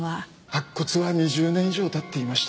白骨は２０年以上経っていました。